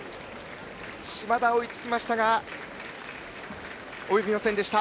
嶋田、追いつきましたが及びませんでした。